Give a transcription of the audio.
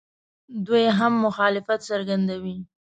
دوی هم مخالفت څرګندوي.